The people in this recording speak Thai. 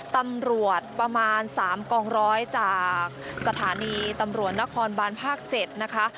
ประมาณ๓กองร้อยจากสถานีตำรวจนครบานภาค๗นะคะ